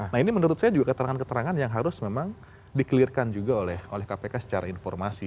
nah ini menurut saya juga keterangan keterangan yang harus memang di clear kan juga oleh kpk secara informasi